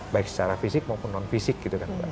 baik secara fisik maupun non fisik gitu kan mbak